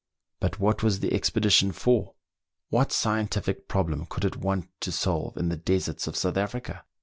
But what was the expedition for.? What scientific problem could it want to solve in the deserts of South Africa